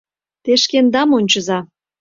— Те шкендам ончыза.